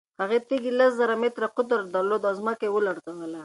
هغې تیږې لس زره متره قطر درلود او ځمکه یې ولړزوله.